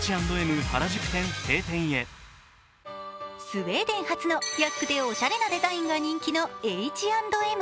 スウェーデン発の安くておしゃれなデザインが人気のＨ＆Ｍ。